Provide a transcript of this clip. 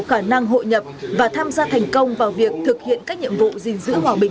khả năng hội nhập và tham gia thành công vào việc thực hiện các nhiệm vụ gìn giữ hòa bình